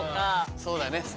そうだね。